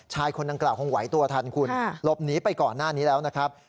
คนดังกล่าคงไหวตัวทันคุณหลบหนีไปก่อนหน้านี้แล้วนะครับ